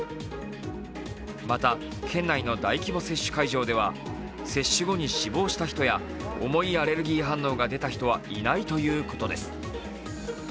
また、県内の大規模接種会場では接種後に死亡した人や重いアレルギー反応が出た人はいないということです。